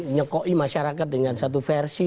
nyekoi masyarakat dengan satu versi